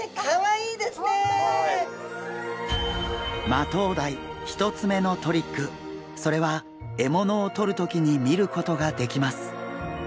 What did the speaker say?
マトウダイ１つめのトリックそれは獲物をとる時に見ることができます。